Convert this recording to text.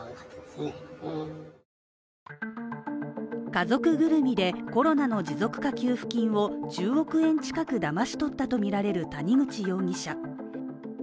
家族ぐるみでコロナの持続化給付金を１０億円近くだまし取ったとみられる谷口容疑者